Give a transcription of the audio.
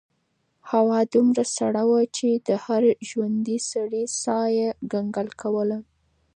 هوا دومره سړه وه چې د هر ژوندي سري ساه یې کنګل کوله.